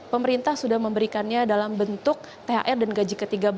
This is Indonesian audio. pemerintah sudah memberikannya dalam bentuk thr dan gaji ke tiga belas